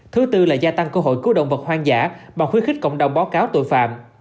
thứ tư là gia tăng cơ hội cứu động vật hoang dã bằng khuyến khích cộng đồng báo cáo tội phạm